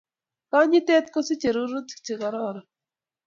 Kanyitet kosijei rurutik chekoraron